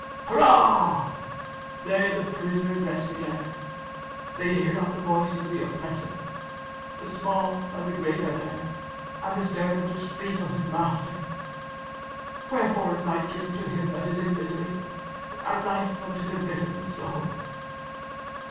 _ ("Hurrah!") _"There the prisoners rest together; they hear not the voice of the oppressor… The small and the great are there; and the servant is free from his master. Wherefore is light given to him that is in misery, and life unto the bitter in soul?"